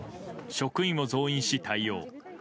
職員を増員し、対応。